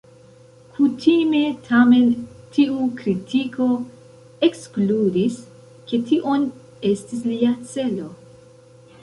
Kutime tamen tiu kritiko ekskludis ke tion estis lia celo.